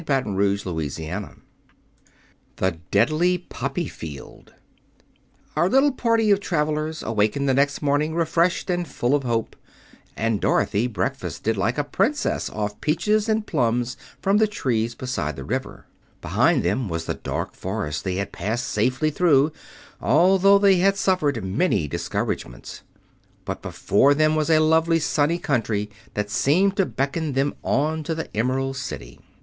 Chapter VIII The Deadly Poppy Field Our little party of travelers awakened the next morning refreshed and full of hope, and Dorothy breakfasted like a princess off peaches and plums from the trees beside the river. Behind them was the dark forest they had passed safely through, although they had suffered many discouragements; but before them was a lovely, sunny country that seemed to beckon them on to the Emerald City.